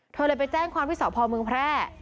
เธอเลยไปแจ้งความที่สพเมืองแพร่